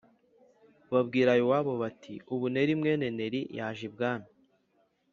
babwira Yowabu bati “Abuneri mwene Neri yaje i bwami’